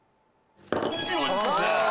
よっしゃ。